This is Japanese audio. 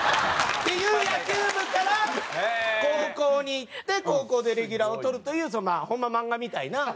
っていう野球部から高校に行って高校でレギュラーを取るというホンマ漫画みたいな。